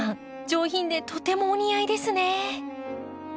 上品でとてもお似合いですね。